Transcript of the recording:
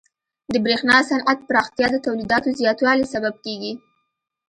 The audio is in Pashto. د برېښنا صنعت پراختیا د تولیداتو زیاتوالي سبب کیږي.